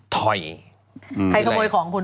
ถอยใครขโมยของคุณ